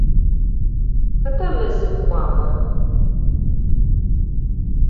Хэта мэзым кӏуагъэр?